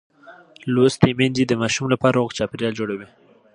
لوستې میندې د ماشوم لپاره روغ چاپېریال جوړوي.